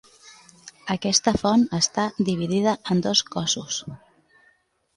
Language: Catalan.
Aquesta font està dividida en dos cossos.